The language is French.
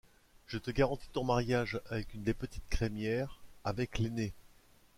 Je te garantis ton mariage avec une des petites Crémière, avec l’aînée.